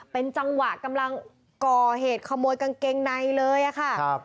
เป็นจังหวะกำลังก่อเหตุขโมยกางเกงในเลยอะค่ะ